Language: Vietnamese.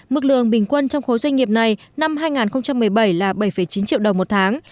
mức lương bình quân trong khối doanh nghiệp này năm hai nghìn một mươi bảy là bảy chín triệu đồng một tháng